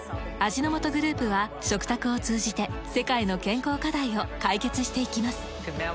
味の素グループは食卓を通じて世界の健康課題を解決していきます。